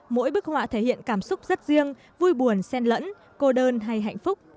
mỗi bức họa thể hiện cảm xúc rất riêng vui buồn sen lẫn cô đơn hay hạnh phúc